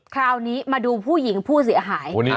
คราวนี้มาดูผู้หญิงผู้เสียหาย